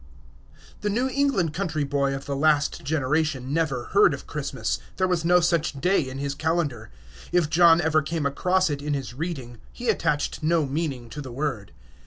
The New England country boy of the last generation never heard of Christmas. There was no such day in his calendar. If John ever came across it in his reading, he attached no meaning to the word.